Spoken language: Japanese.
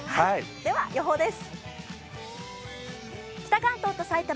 では予報です。